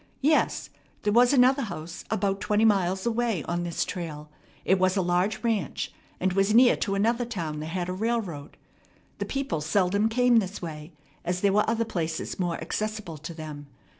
Yes, there was another house about twenty miles away on this trail. It was a large ranch, and was near to another town that had a railroad. The people seldom came this way, as there were other places more accessible to them.